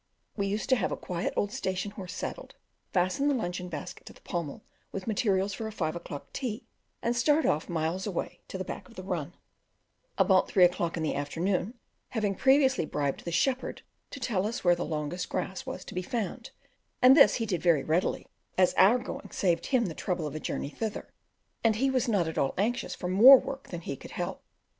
We used to have a quiet old station horse saddled, fasten the luncheon basket to the pommel with materials for a five o'clock tea, and start off miles away to the back of the run, about three o'clock in the afternoon, having previously bribed the shepherd to tell us where the longest grass was to be found and this he did very readily, as our going saved him the trouble of a journey thither, and he was not at all anxious for more work than he could help.